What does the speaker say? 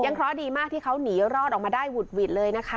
เพราะดีมากที่เขาหนีรอดออกมาได้หุดหวิดเลยนะคะ